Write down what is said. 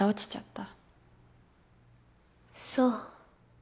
そう。